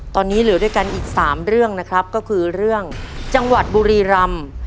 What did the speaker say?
ตอนนี้เหลือด้วยกันอีก๓เรื่องนะครับก็คือเรื่องจังหวัดบุรีรำ